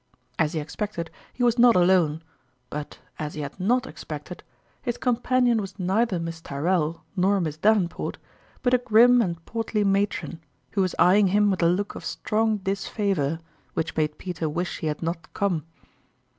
As he expected, he was not alone ; but, as he had not expected, his companion was neither Miss Tyrrell nor Miss Davenport, but a grim and portly matron, who was eyeing him with a look of strong disfavor, which made Peter wish he had not come.